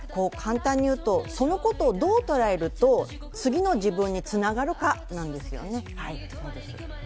簡単に言うと、そのことをどう捉えると次の自分につながるかですよね。